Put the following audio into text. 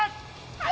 はい！